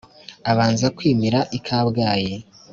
abanza kwimira i kabgayi